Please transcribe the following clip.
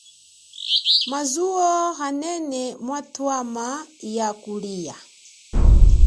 Mazuwo anene, mwatwama ya kulia.